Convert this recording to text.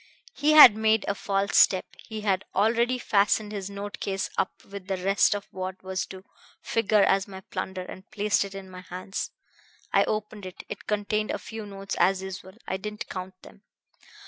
He had made a false step. He had already fastened his note case up with the rest of what was to figure as my plunder, and placed it in my hands. I opened it. It contained a few notes as usual I didn't count them.